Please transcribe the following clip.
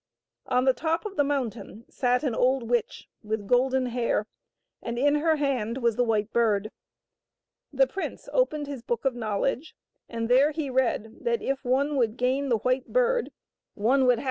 On the top of the mountain sat an old witch with golden hair, and in her hand was the White Bird. The prince opened his Book of Knowledge, and there he read that if one would gain the White Bird one would have I)()^;inre hndu tl)t sbiojib of Il6 THE WHITE BIRD.